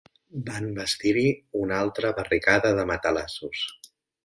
Van bastir-hi una altra barricada de matalassos